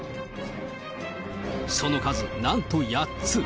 その数、なんと８つ。